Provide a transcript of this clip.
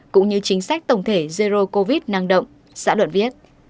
cũng như chính sách tổng thể jero covid năng động xã luận viết